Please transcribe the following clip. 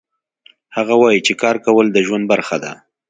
هغه وایي چې کار کول د ژوند برخه ده